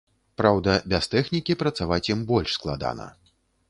Праўда, без тэхнікі працаваць ім больш складана.